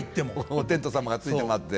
お天道様がついて回って。